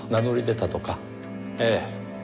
ええ。